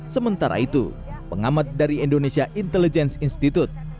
sementara itu pengamat dari indonesia intelligence institute